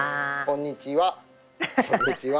こんにちは。